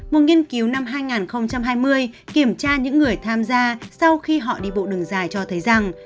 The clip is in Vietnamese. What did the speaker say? một nghiên cứu năm hai nghìn hai mươi kiểm tra những người tham gia sau khi họ đi bộ đường dài cho thấy rằng